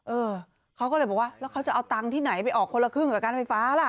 เออเขาก็เลยบอกว่าแล้วเขาจะเอาตังค์ที่ไหนไปออกคนละครึ่งกับการไฟฟ้าล่ะ